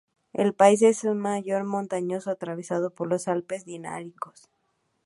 El país es en su mayoría montañoso, atravesado por los Alpes Dináricos.